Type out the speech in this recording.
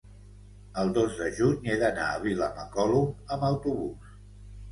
el dos de juny he d'anar a Vilamacolum amb autobús.